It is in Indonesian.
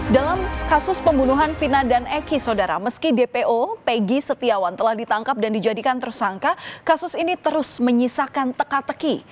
dalam kasus pembunuhan vina dan eki saudara meski dpo peggy setiawan telah ditangkap dan dijadikan tersangka kasus ini terus menyisakan teka teki